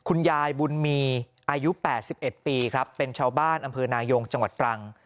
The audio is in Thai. คุณยายบุญมีอายุ๘๑ปีครับเป็นชาวบ้านอำเภอนายงจังหวัดตรัง